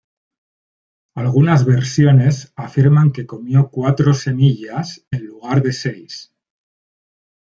Algunas versiones afirman que comió cuatro semillas en lugar de seis.